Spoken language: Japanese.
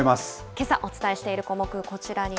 けさお伝えしている項目、こ